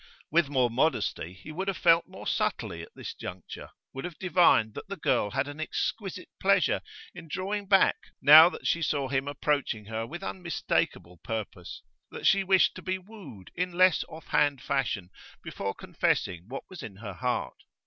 With more modesty he would have felt more subtly at this juncture, would have divined that the girl had an exquisite pleasure in drawing back now that she saw him approaching her with unmistakable purpose, that she wished to be wooed in less off hand fashion before confessing what was in her heart.